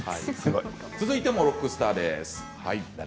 続いてもロックスターです。